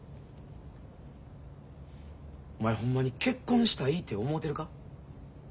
お前ホンマに結婚したいって思うてるか？